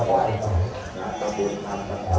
เมื่อ